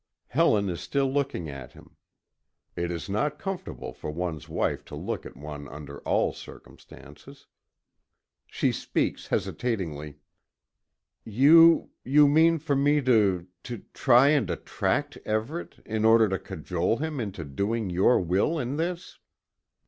Helen is still looking at him. It is not comfortable for one's wife to look at one under all circumstances. She speaks hesitatingly: "You you mean for me to to try and attract Everet in order to cajole him into doing your will in this?"